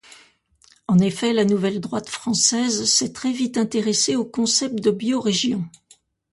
En effet, la Nouvelle Droite française s'est très vite intéressée au concept de biorégion.